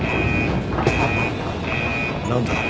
何だ！？